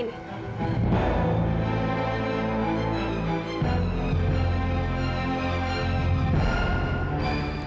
masih ingat gantungan ini